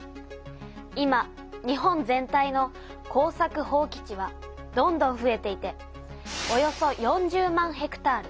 今日本全体の耕作放棄地はどんどんふえていておよそ４０万ｈａ。